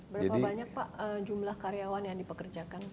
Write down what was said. berapa banyak pak jumlah karyawan yang dipekerjakan